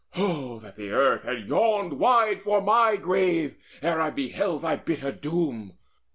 Oh that the earth had yawned wide for my grave Ere I beheld thy bitter doom!